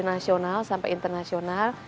dari nasional sampai internasional